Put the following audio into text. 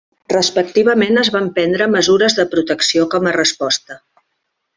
Respectivament es van prendre mesures de protecció com a resposta.